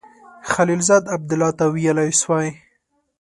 خلیلزاد عبدالله ته ویلای سوای.